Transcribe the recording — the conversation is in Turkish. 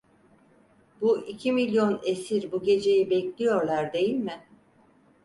Bu iki milyon esir bu geceyi bekliyorlar değil mi?